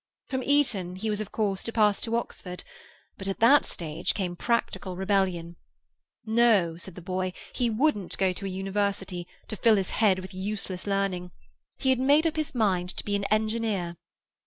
From Eton he was of course to pass to Oxford, but at that stage came practical rebellion. No, said the boy; he wouldn't go to a university, to fill his head with useless learning; he had made up his mind to be an engineer.